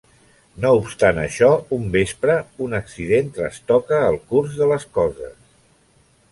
No obstant això, un vespre, un accident trastoca el curs de les coses.